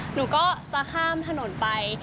หนูก็จะข้ามถนนไป